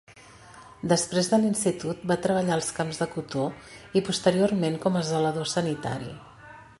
Després de l'institut, va treballar als camps de cotó i posteriorment com a zelador sanitari.